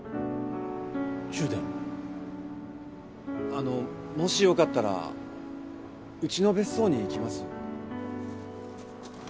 あのもしよかったらうちの別荘に来ます？